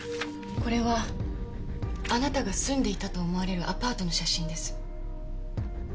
これはあなたが住んでいたと思われるアパートの写真です。